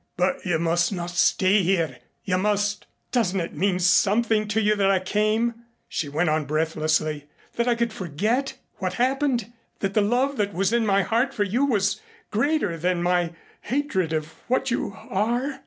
"But you must not stay here. You must " "Doesn't it mean something to you that I came," she went on breathlessly, "that I could forget what happened that the love that was in my heart for you was greater than my hatred of what you are?